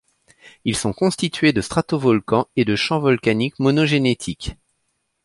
Ils sont constitués de stratovolcans et de champs volcaniques monogénétiques.